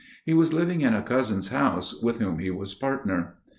He was living in a cousin's house, with whom he was partner.